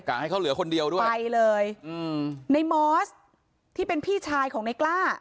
ให้เขาเหลือคนเดียวด้วยไปเลยอืมในมอสที่เป็นพี่ชายของในกล้า